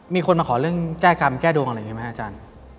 มีคนมาขอเรื่องแก้กรรมแก้ดวงอะไรอย่างนี้ไหมอาจารย์